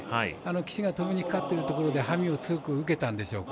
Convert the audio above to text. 騎手が止めにかかっているところでハミを強く受けたんでしょうか。